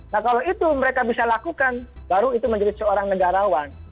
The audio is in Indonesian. nah kalau itu mereka bisa lakukan baru itu menjadi seorang negarawan